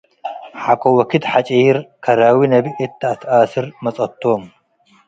ሐቆ ወክድ ሐጪር ከራዊ ነቢ እት ተአትኣስር መጽአቶ'ም።